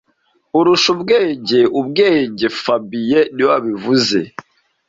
Urusha ubwenge ubwenge fabien niwe wabivuze